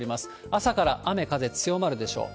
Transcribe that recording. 朝から雨、風強まるでしょう。